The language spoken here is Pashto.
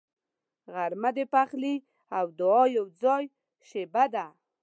غرمه د پخلي او دعا یوځای شیبه ده